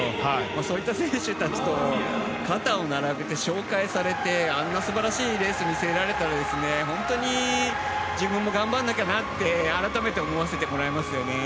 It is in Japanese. そういった選手たちと肩を並べて紹介されてあんな素晴らしいレース見せられたら本当に自分も頑張らなきゃなと改めて思わせてもらえますよね。